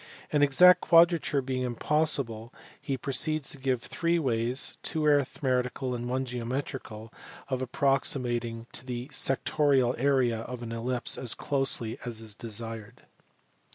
An exact quadrature being impossible, he proceeds to give three ways, two arithmetical and one geometrical, of approximating to the sectorial area of an ellipse as closely as is desired.